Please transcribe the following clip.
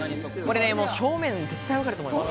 正面、絶対わかると思います。